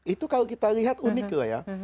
itu kalau kita lihat unik loh ya